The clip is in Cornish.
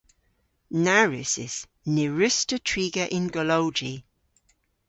Na wrussys. Ny wruss'ta triga yn golowji.